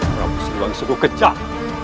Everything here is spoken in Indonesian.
prabu sriwangi segera kejar